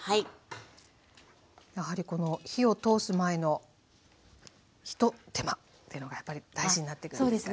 やはりこの火を通す前のひと手間というのがやっぱり大事になってくるんですかね。